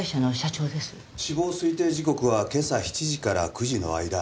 死亡推定時刻は今朝７時から９時の間。